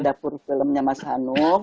dapur filmnya mas hanung